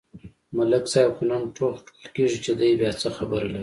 ملک صاحب خو نن ټوغ ټوغ کېږي، چې دی بیا څه خبره لري.